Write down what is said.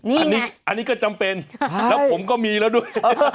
อันนี้ก็จำเป็นแล้วผมก็มีแล้วด้วย